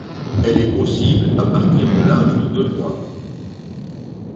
Elle est possible à partir de l'âge de deux mois.